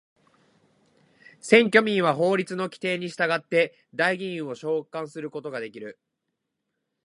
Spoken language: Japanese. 選挙民は法律の規定に従って代議員を召還することができる。